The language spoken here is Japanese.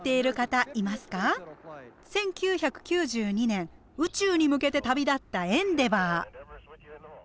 １９９２年宇宙に向けて旅立った「エンデバー」。